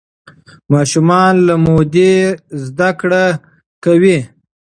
ماشومان له مودې زده کړه کوي.